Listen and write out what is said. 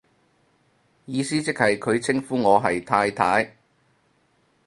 意思即係佢稱呼我係太太